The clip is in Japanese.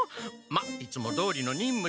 まっいつもどおりの任務だよ。